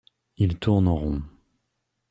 Ils tournent en rond.